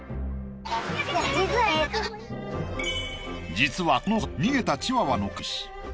実はこの家族逃げたチワワの飼い主。